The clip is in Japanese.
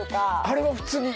あれは普通に。